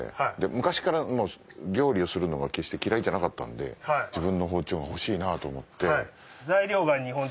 昔から料理をするのが決して嫌いじゃなかったんで自分の包丁が欲しいなと思って。